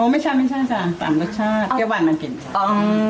อ๋อไม่ใช่ไม่ใช่จ้ะสามรสชาติอ๋อแกบ่งมันเก่งจังอ๋อ